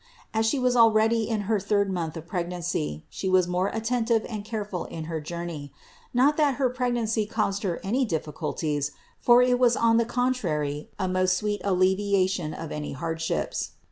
As She was already in her third month of pregnancy, She was more attentive and careful in her journey; not that her pregnancy caused her any difficulties, for it was on the contrary a most sweet alleviation of any hardships.